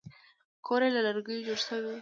کور یې له لرګیو جوړ شوی و.